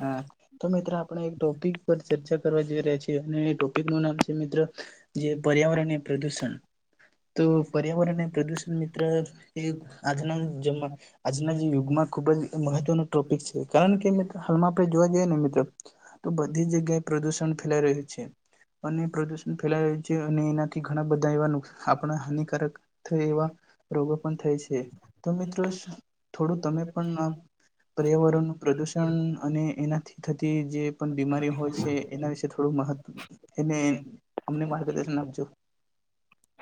હા, તો મિત્રો આપણે એક ટોપિક પર ચર્ચા કરવા જોઈ રહ્યા છીએ. અને એ ટોપિક નું નામ છે, મિત્રો જે પર્યાવરણ એ પ્રદુષણ. તો પર્યાવરણ અને પ્રદૂષણ મિત્ર એ આજના જમા, આજના જે યુગમાં એ ખૂબ જ મહત્વનો ટોપિક છે, કારણ કે હાલમાં [unintelligible] આપણે જોવા જઈએ ને મિત્ર, તો બધી જ જગ્યાએ પ્રદુષણ ફેલાઈ રહ્યું છે, અને પ્રદુષણ ફેલાઈ રહ્યું છે. અને એનાથી ઘણા બધા એવા [unintelligible] આપણા હાનિકારક થાય એવા રોગો પણ થાય છે. તો મિત્ર થોડું તમે પણ આમ પર્યાવરણનું પ્રદુષણ અને, એનાથી થતી જે પણ બીમારી હોય છે. એના વિશે થોડુંક મહત એને અમને માર્ગદર્શન નાપજો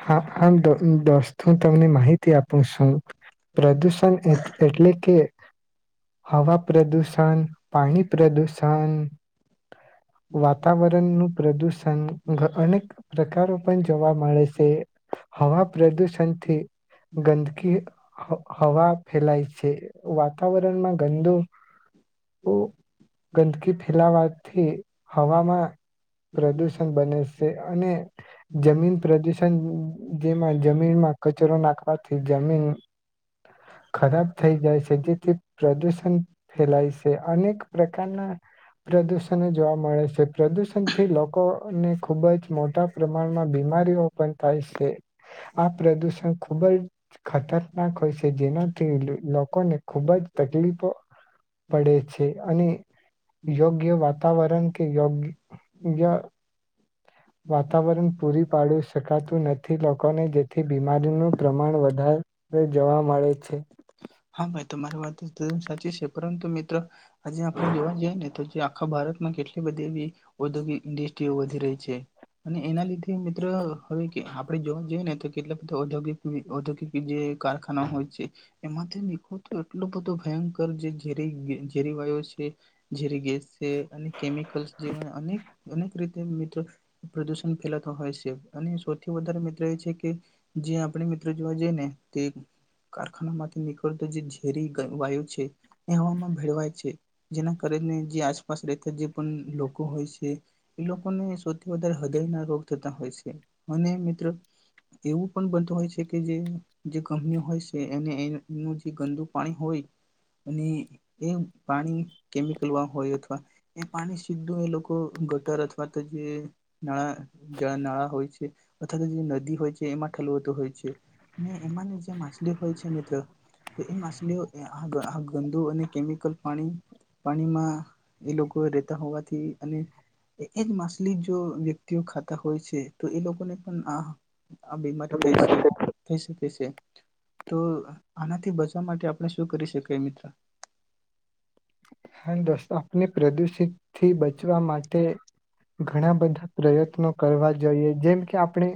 હા આમ દોસ દોસ્તો હું તમને માહિતી આપું શુ, પ્રદુષણ એટલે કે હવા પ્રદુષણ, પાણી પ્રદૂષણ વાતાવરણનું પ્રદુષણ અનેક પ્રકારો પણ જોવા મળે શે. હવા પ્રદુષણથી ગંદકી હવા ફેલાય છે વાતાવરણમાં ગંદુ ગંદકી ફેલાવાથી હવામાં પ્રદુષણ બને શે અને જમીન પ્રદુષણ જેમાં જમીનમાં કચરો નાખવાથી જમીન ખરાબ થઈ જાય શે જેથી પ્રદૂષણ ફેલાય શે અનેક પ્રકારના પ્રદૂષણ જોવા મળે શે પ્રદૂષણથી લોકોને ખુબ જ મોટા પ્રમાણમાં બીમારીઓ પણ થાય શે આ પ્રદૂષણ ખુબ જ ખતરનાક હોય શે જેનાથી લોકોને ખૂબ જ તકલીફો પડે છે અને યોગ્ય વાત વાતાવરણ કે યોગ યોગ્ય વાતાવરણ પૂરી પાડી શકાતું નથી લોકોને જેથી બીમારીનું પ્રમાણ વધારે જોવા મળે છે. [unintelligible] સાચી છે. પરંતુ મિત્ર હજી આપણે જોવા જઈએ ને તો જ્યાં આખા ભારતમાં કેટલી બધી એવી ઔદ્યોગિક ઇન્ડસ્ટ્રીઓ વધી રહી છે, અને એના લીધે મિત્ર હવે કે આપણે જોવા જઈએ ને તો કેટલા બધા ઔદ્યોગિક વિ ઔદ્યોગિક જે કારખાના હોય છે એમાંથી નિકળતો એટ લો બધો ભયંકર જે ઝેરી-ઝેરી વાયો છે, ઝેરી ગે સે, અને કેમિકલ્સ જેવા અનેક-અનેક રીત જે મિત્ર પ્રદુષણ ફેલાતો હોય છે. અને સૌથી વધારે મિત્ર એ છે કે જે આપણે મિત્ર જોવા જઈએ ને તે કારખાના માંથી નીકળતો જે ઝેરી ગ વાયુ છે એ હવામાં ભેળવાય છે, જેના કારને જે આસપાસ રહેતા જે પણ લોકો હોય છે ઈ લોકોને સૌથી વધારે હૃદય ના રોગ થતા હોય છે, અને મિત્ર એવું પણ બનતું હોય છે કે જે-જે કંપની હોય છે એ એનું જે ગંદુ પાણી હોય, અને એ પાણી કેમિકલવાળું હોય અથવા એ પાણી સીધું એ લોકો ગટર અથવા તો જે નાળા, જળ નાળા હોય છે, અથવા તો જે નદી હોય છે એમાં ઠલવતો હોય છે, અને એમાંની જે માછલીઓ હોય છે મિત્ર, તો એ માછ લીઓ આ-આ ગંદુ અને કેમિકલ પાણી પાણીમાં એ લોકો રહેેતા હોવાથી અને એ એક માછલી જો વ્યક્તિઓ ખાત તા હોય છે તો એ લોકોકને પણ આ આ બીમારી થઈ જાય થઈ શકે છે. તો આનાથી બચવા માટે શું કરી શકાય મિત્ર? હા દોસ્તો આપણે પ્રદુષિત થી બચવા માટે ઘણા બધા પ્રયત્નો કરવા જોઈએ જેમ કે આપણે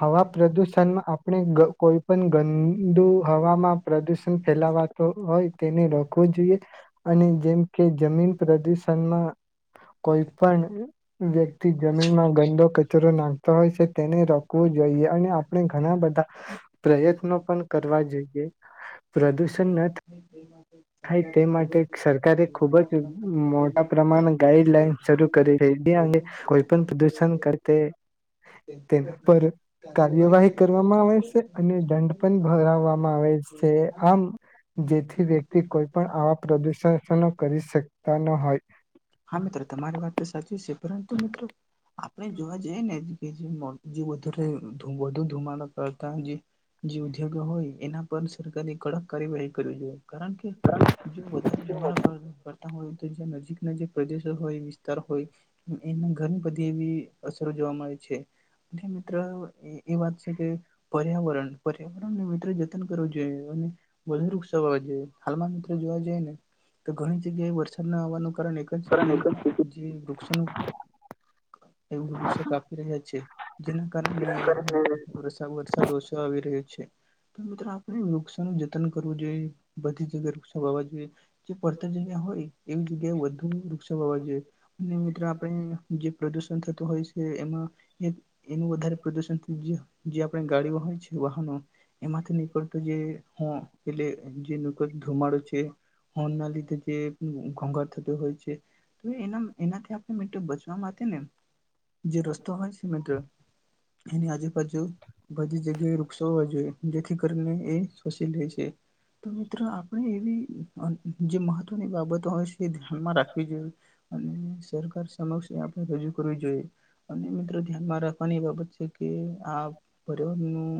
હવા પ્રદુષણમાં આપણે કોઈ પણ ગંદુ હવામાં પ્રદુષણ ફેલાવાતો હોય તેને રોકવુ જોઈએ અને જેમ કે જમીન પ્રદુષણમાં કોઈ પણ વ્યક્તિ જમીનમાં ગંદો કચરો નાખતો હોય છે તેને રો કોઈ જોઈયા અને આપણે ઘણા બધા પ્રયત્નો પણ કરવા જોઈએ પ્રદૂષણ ના થાય તે. [inaudible] થઈ તે માટે સરકારે ખૂબ જ મોટા પ્રમાણ ગાઈડલાઈન શરૂ કરી રહી જે અંગે કોઈ પણ પ્રદુશન કરતે તેના પર કાર્યવાહી કરવામાં આવે છે અને દંડ પણ ભરાવવામાં આવે છે. આમ જેથી વ્ય થી કોઈ પણ આવા પ્રદુષનો કરી શકતા ન હોય [inaudible] પરંતુ મિત્રો આ મેં જોવા જાયે ને કે જે વધુ ધુમાડો કરતા જે જે ઉદ્યોગ હોય એના પર સરકારની કડક કાર્યવાહી કરવી જોઈએ કારણ કે જો વધારે ધુમાડો કરકરતા હોય તો નજીક નજીક પ્રદેશો હોય વિસ્તાર હોય એની ઘણી બધી એવી અસરો જોવા મળે છે આથી મિત્ર એ વાત છે કે પર્યાવરણ પર્યાવરણ નિમિત્ જતન કરવો જોઈ અને વધુ વૃક્ષો વાવા જોઈએ. હાલમાં મિત્રો જોવા જય ને તો ઘણી જગ્યાએ વરસાદના વનું કારણ એક જ છે કે જે વૃક્ષોનું એવું વૃક્ષો કાપી રહ્યા છે જેના કારણે વર્ષા વરસાદ ઓછો આવી રહ્યો છે. તો મિત્રો આપ વૃક્ષોનુ જતન કરવું જોઈએ બધી જગ્યા વૃક્ષો વાવા જોઈએ જે પડતર જગ્યા હોય એવી જગ્યાએ વધુ વૃક્ષો હોવા જોઈએ અને મિત્રો આપણે જે પ્રદુષણ થતું હોય છે. એમાં એક એનું વધારે પ્રદુષણ જે જે આપણે ગાડી હોય છે વાહનો એમાંથી નીક જે હ પેલે જે નુક ધુમાડ છે. હોર્ન લીધે છે તે અંગર થતો હોય છે. તો એના એનાથી મેતો બચવા માતે લેવ જે રસ્તો હોય સિમન્ટ એની આજુબાજુ બધી જગ્યાએ વૃક્ષો હોવા જોઈએ જેથી કરીને એચ વસેલ રહે છે ત મિત્રો આપણે એવી જે મહત્વની બાબતો હોય છે એ ધ્યાનમાં રાખવી જોઈએ અને સરકાર સમક્ષ આપણે રજૂ કરવી જોઈએ અને મિત્રો ધ્યાનમાં રાખવાની બા બચ્ચે કે આ પર્યાવરણનું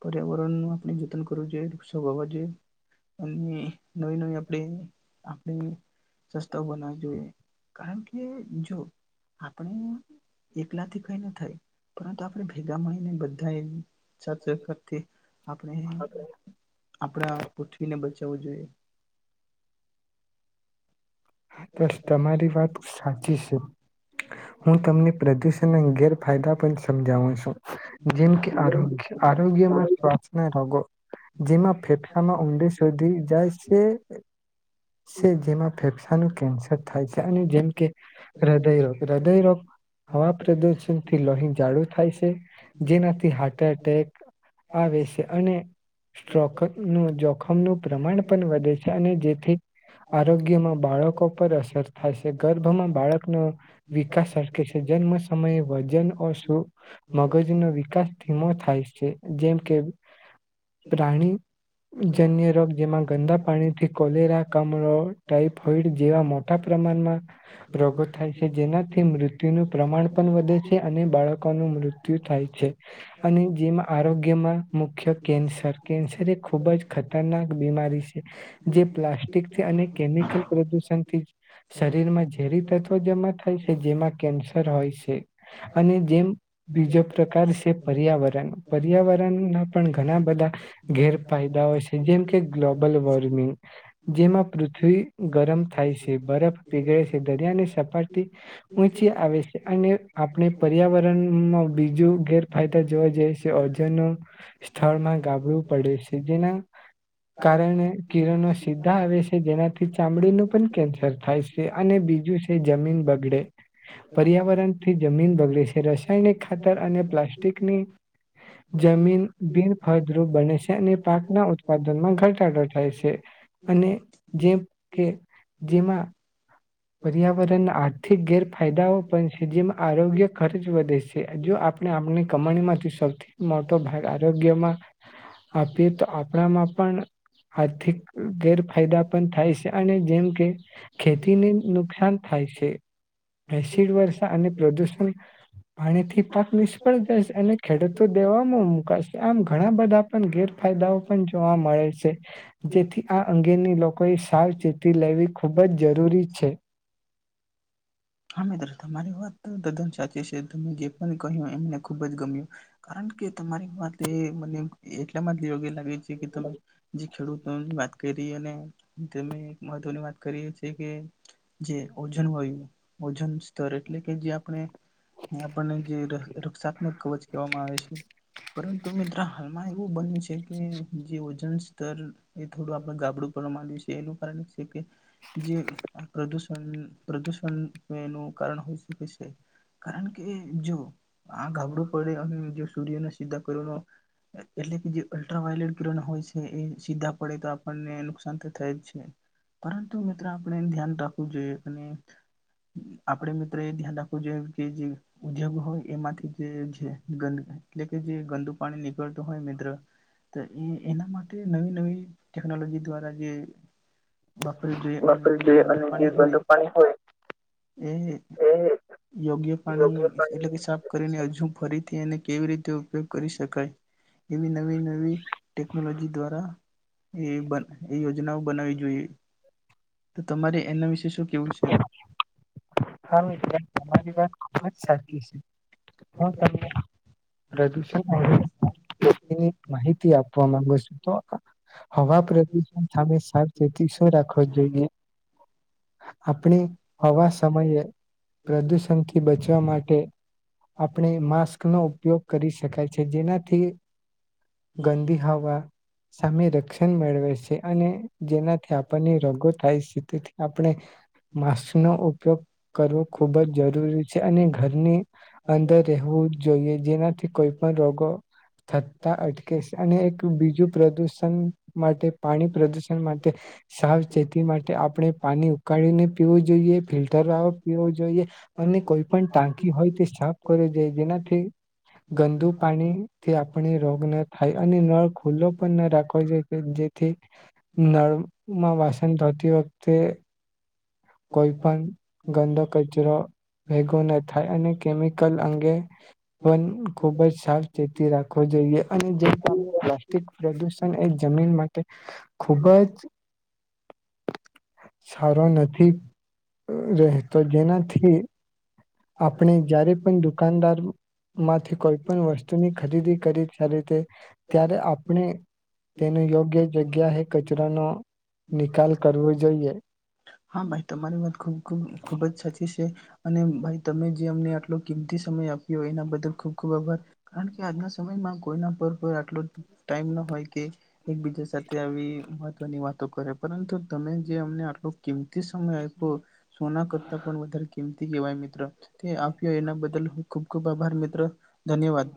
પર્યાવરણ નતન કરુંજ એ સવાવા જોઈએ અને નવી નવી આપણે આપણે સસ્તા બનાવા જોઈએ કારણ કે જો આપણે એકલા થી કઈન થાય પરંતુ આપણે ભેગા મળીને બધાએ છત્ર કરતે આપણે આપણા પુઠવીને જાઉં જોઈએ દોસ્ત તમારી વાત સાચી છે હું તમને પ્રદુષણના ગેરફાયદા પણ સમજાવ છું. જેમ કે આરોગ્ય આરોગ્યમાં શ્વાસના રગો જેમાં ફેફસામાં ઊંડી શોધી જાય છે. સે જેમાં ફેફશે અને કેન્સર થાય છે અને જેમ કે હૃદયરોગ હૃદયરોગ હવા પ્રદુષણથી લોહી જાળું થાય છે જેનાથી હાર્ટ એટેક આવે છે અને સ્ટ્રોક ન જોખમનું પ્રમાણ પણ વધે છે અને જેથી [inaudible] બાળકો પર અસર થાય છે ગર્ભમાં બાળકનો વિકાસ અટકે છે જન્મ સમયે વજન ઓ શું મગજનો વિકાસ ધીમો થાય છે જેમ કે પ્રાણીજન્ય રોગ જેમાં ગંદા પાણીથી કોલેરા કામરો ટાઈપ ફઈડ જેવા મોટા પ્રમાણમાં રોગો થાય છે. જેનાથી મૃત્યુનું પ્રમાણ પણ વધે છે અને બાળકોનું મૃત્યુ થાય છે અને જેમાં આરોગ્યમાં મુખ્ય કેન્સર કેન્સર એ ખૂબ જ ખતરનાક બીમારી છે જે પ્લાસ્ટ ઠીક છે અને કેમિકલ પ્રદૂષણથી શરીરમાં ઝેરી તત્વો જમા થાય છે જેમાં કેન્સર હોય છે અને જેમ બીજો પ્રકાર છે પર્યાવરણ પર્યાવરણના પણ ઘણા બધા ગેરફાયદાઓ છે જેમ કે ગ્લોબલ વોર્મિંગ જેમાં પૃથ્વી ગરમ થાય છે, બરફ પીગળે છે, દરિયાની સપાટી ઊંચી આવે છે અને આપણે પર્યાવરણમાં બીજું ગેરફાયદા જોવા જઈએ છે ઓજન સ્થળમાં ગાબવું પડે છે જેના કારણે કિરનો સીધા આવે છે જેનાથી ચામડીનું પણ કેન્સર થાય છે અને બીજું છે જમીન બગડે પર્યાવરણથી જમીન બગડે છે રાસાયણિક ખાતર અને પ્લાસ્ટિકની જમીન બિન ફળદરૂુપ બને છે અને પાકના ઉત્પાદનમાં ઘટાડો થાય છે. અને જે કે જેમાં પર્યાવરણના આર્થિક ગેરફાયદાઓ પણ છે જેમાં આરોગ્ય ખર્ચ વધે છે. જો આપણે આપણી કમાણીમાંથી સૌથી મોટો ભાગ આરોગ્યમાં આપીએ તો આપણામાં પણ આર્થિક ફાયદા પણ થાય છે, અને જેમ કે ખેતીને નુકસાન થાય છે, એસિડ વરસાા અને પ્રદૂષણ પાણીથી પાક નિષ્ફળ જાય છે, અને ખેડૂતો દેવામાં મુકાશે આમ ઘણા બધા પણ ગેરફાયદાઓ પણ જોવા મળે છે, જેથી આ અંગેની લોકોએ સાવચેતી લેવી ખૂબ જરૂરી છે. હા મિત્ર તમારી વાત તો્દન સાચી છે, ત જે પણ કહ્યું એમને ખુબ જ ગમ્યું કારણ કે તમારી વાત એ મને એટલામાં જ ગ્ય લાગે જે કે તમે જે ખેડુ વાત કરી અને તમે એક મહત્વની વાત કરી છે, કે જે ઓજન હોય ઓજન સ્તર એટલે કે જે આપણે આપણને જે રક્ષાત્મક કવચ કહેવામાં આવે છે, પરંતુ મિત્ર હાલમાં એવું બન્યું છે, કે જે વજન [inaudible] એ થોડું આપડે ગાડું પણ માંડીશ [unintelligible] જે પ્રદૂષણ પ્રદૂ [inaudible] નું કારણ હોય શકે છે, કારણ કે જો આ ગાબડું પડે અને જો સૂર્યને સીધા કરવાનો એટલે કે જે અલ્ટ્રાવાયોલેટ કિરણ હોય છે, એ સીધા પડે તો આપણને નુકસાન તો થાય જ છે પરંતુ મિત્ર આપણે ધ્યાન રાખવું જોઈએ અને આપડ મિત્ર એ ધ્યાન રાખવું જોઈએ કે જે ઉદ્યોગ હોય એમાંથી જેંદ એટલે કે જે ગંદુ પાણી નીકળતું હોય મિત્ર તો એ એના માટે નવી નવી ટેકનોલોજી દ્વારા જે વાપરવી જોઈ અને જે બંદુ પાણી હોય એ યોગ્ય પાણી એટલે કે સાફ કરીને હજુ ફરીથી એને કેવી રીતે ઉપયોગ કરી શકાય એવી નવી નવી ટેકનોલોજી દ્વારા એ યોજના બનાવી જોઈએ. તો તમારે એના વિશે શું કેવું છે? હા મિત્ર તમારી વાત સાચી છે, હું તને પ્રદુષણ માહિતી આપવા માંગુ છું, તો હવા પ્રદુષણ સા સાવચેતી શું રાખ જોઈએ. આપણે હવા સમયે પ્રદૂષણથી બચવા માટે આપણે માસ્કનોો ઉપયોગ કરી શકાય છે, જેનાથી ગંદી હવા સામે રક્ષણ મેળવે છે, અને જેનાથી આપણને રોગો થાય. આપણે માસ્ક નો ઉપયોગ કરવો ખૂબ જ જરૂરી છે, અને ઘરની અંદર રહેવું જોઈએ જેનાથી કોઈ પણ રોગો થતા અટકે છે અને એક બીજું પ્રદુષણ માટે પાણી પ્રદુષણ માટે સાવચેતી માટે આપણે પાણી પાણીને પીવું જોઈએ ફિલ્ટર વા પીવું જોઈએ અને કોઈ પણ ટાંકી હોય તે સાફ કરવી જોઈએ જેનાથી ગંદુ પાણીથી આપણે રોગ ના થાય અને નળ ખુલ્લો પણ ના રાખવો જોઈએ જેથી નળમાં વાસણ થતીખતે તે કોઈ પણ ગંદો કચરો ભેગો ના થાય અને કેમિકલ અંગે પણ ખૂબ જ સાવચેતી રાખ જોઈએ અને જેણે પ્લાસ્ટિક પ્રદૂષણ એ જમીન માટે ખૂબ જ સારો નથી. રહેતો જેનાથી આપણે જારે પણ દુકાનદાર માંથી કોઈ પણ વસ્તુની ખરીદી કરી રતે ત્યારે આપણે તેનો યોગ્ય જગ્યાએ કચરાનો નિકાલ કરવો જોઈએ. તમારી મત ખૂબ ખૂબ ખૂબ જ સાચી છે. અને ભાઈ તમે અમને આટલો કિમતી સમય આપ કેના બદલ ખૂબ ખૂબ આભાર કારણ કે આજના સમયમાં કોઈના પર [unintelligible] જ ટાઈમ ન હોય કે એકબીજા સાથે આવી મહત્વની વાતો કરે. પરંતુ તમે જે અમને આટલો કિંમતી સમય આપ્યો સોના કરતા પણ વધારે કિંમતી કહેવાય મિત તે આપ્યો એના બદલ હ ખૂબ ખૂબ આભાર મિત્રો ધન્યવાદ.